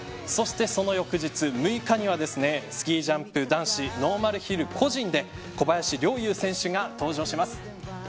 その翌日６日にはスキージャンプ男子ノーマルヒル個人で小林陵侑選手が登場します。